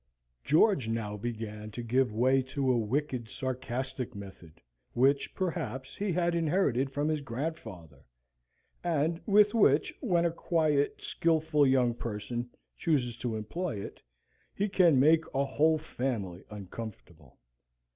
George now began to give way to a wicked sarcastic method, which, perhaps, he had inherited from his grandfather, and with which, when a quiet, skilful young person chooses to employ it, he can make a whole family uncomfortable.